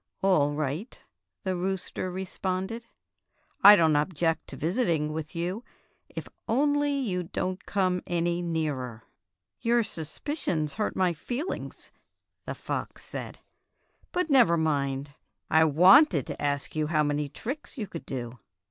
"All right," the rooster responded; "I don't object to visiting with you, if only you don't come any nearer." "Your suspicions hurt my feelings," the Fairy Tale Foxes 57 fox said. "But never mind. I wanted to ask you how many tricks you could do."